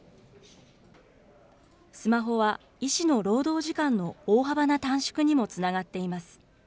スマホは医師の労働時間の大幅な短縮にもつながっています。